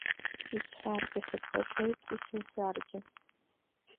Исҳәаргьы сыԥхашьоит, исымҳәаргьы…